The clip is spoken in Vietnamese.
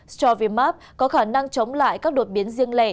straviap có khả năng chống lại các đột biến riêng lẻ